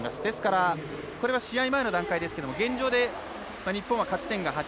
ですからこれは試合前の段階ですけど現状で日本は勝ち点が８。